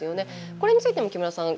これについても木村さん